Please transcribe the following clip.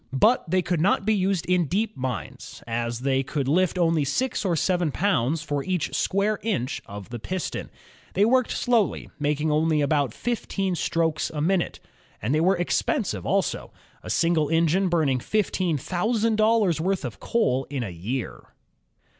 But they could not be used in deep mines, as they could lift only six or seven pounds for each square inch of the piston. They worked slowly, making only about fifteen strokes a minute, and they were expensive also, a single engine burning fifteen thou sand dollars' worth of coal in a year.